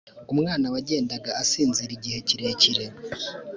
umwana wagendaga asinzira igihe kirekire